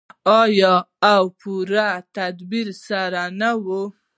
آیا او په پوره تدبیر سره نه وي؟